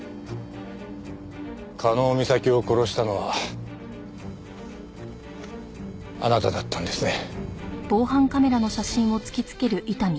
加納美咲を殺したのはあなただったんですね。